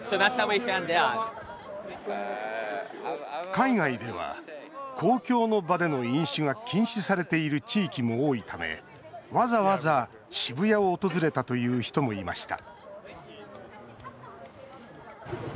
海外では公共の場での飲酒が禁止されている地域も多いためわざわざ、渋谷を訪れたという人もいました